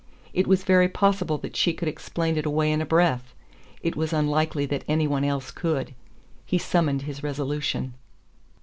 It was very possible that she could explain it away in a breath: it was unlikely that any one else could. He summoned his resolution.